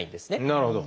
なるほど。